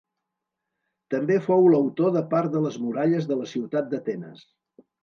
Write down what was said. També fou l'autor de part de les muralles de la ciutat d'Atenes.